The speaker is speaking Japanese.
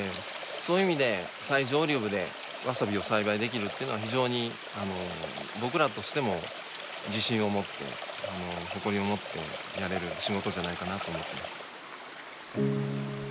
そういう意味で最上流部でわさびを栽培できるっていうのは非常に僕らとしても自信を持って誇りを持ってやれる仕事じゃないかなと思ってます。